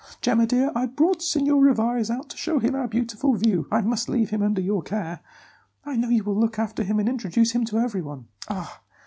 Gemma, dear, I brought Signor Rivarez out to show him our beautiful view; I must leave him under your care. I know you will look after him and introduce him to everyone. Ah!